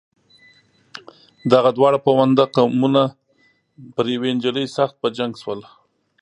دغه دواړه پوونده قومونه پر یوې نجلۍ سخت په جنګ شول.